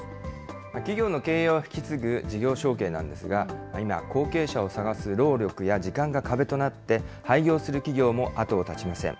企業の経営を引き継ぐ事業承継なんですが、今、後継者を探す労力や時間が壁となって、廃業する企業も後を絶ちません。